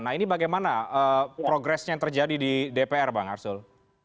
nah ini bagaimana progresnya yang terjadi di dpr bang arsul